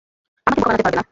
আমাকে বোকা বানাতে পারবে না।